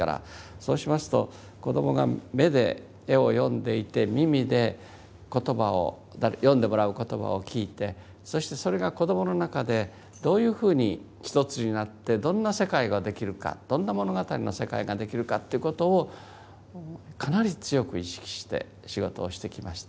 そうしますと子どもが目で絵を読んでいて耳で言葉を読んでもらう言葉を聞いてそしてそれが子どもの中でどういうふうに一つになってどんな世界ができるかどんな物語の世界ができるかっていうことをかなり強く意識して仕事をしてきました。